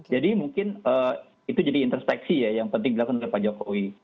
mungkin itu jadi introspeksi ya yang penting dilakukan oleh pak jokowi